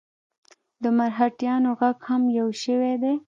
د مرهټیانو ږغ هم یو شوی دی.